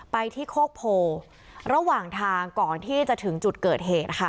ไปที่โคกโพระหว่างทางก่อนที่จะถึงจุดเกิดเหตุค่ะ